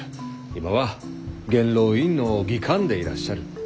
今は元老院の議官でいらっしゃる。